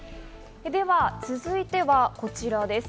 続いてはこちらです。